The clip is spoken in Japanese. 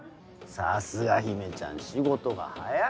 さすが姫ちゃん仕事が早い！